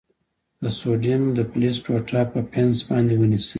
د سوډیم د فلز ټوټه په پنس باندې ونیسئ.